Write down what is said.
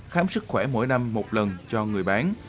khám sức khỏe mỗi năm một lần cho người bán